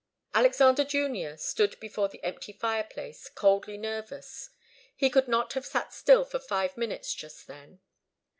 Alexander Junior stood before the empty fireplace, coldly nervous. He could not have sat still for five minutes just then.